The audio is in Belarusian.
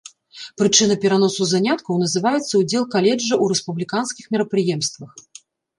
Прычына пераносу заняткаў называецца ўдзел каледжа ў рэспубліканскіх мерапрыемствах.